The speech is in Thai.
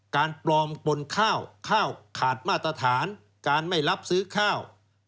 การปลอมปนข้าวข้าวขาดมาตรฐานการไม่รับซื้อข้าว